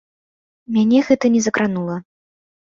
Мяне гэта не закранула.